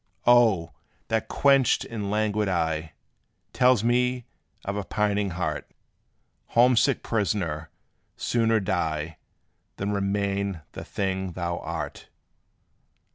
Oh! that quenched and languid eye Tells me of a pining heart: Homesick prisoner, sooner die Than remain the thing thou art.